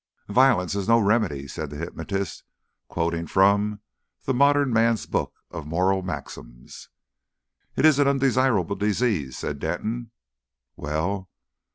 "Violence is no remedy," said the hypnotist, quoting from the "Modern Man's Book of Moral Maxims." "It's an undesirable disease," said Denton. "Well?"